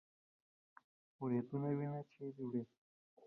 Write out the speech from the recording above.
وریدونه وینه چیرته وړي؟